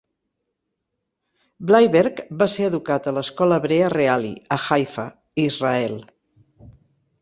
Bleiberg va ser educat a l'escola hebrea Reali, a Haifa, Israel.